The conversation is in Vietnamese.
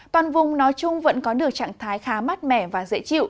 toàn vùng nói chung vẫn có được trạng thái khá mát mẻ và dễ chịu